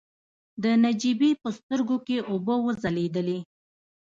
د نجيبې په سترګو کې اوبه وځلېدلې.